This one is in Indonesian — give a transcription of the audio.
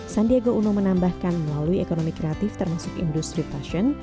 sandiaga uno menambahkan melalui ekonomi kreatif termasuk industri fashion